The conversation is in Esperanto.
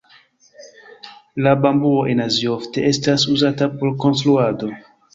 La bambuo en Azio ofte estas uzata por konstruado.